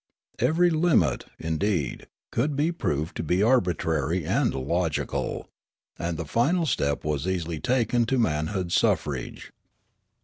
Every limit, indeed, could be proved to be arbitrary and illogical ; and the final step was easily taken to manhood su0"rage.